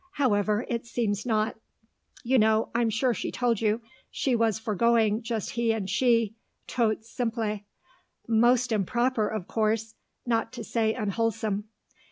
However, it seems not. You know I'm sure she told you she was for going just he and she, tout simple. Most improper, of course, not to say unwholesome.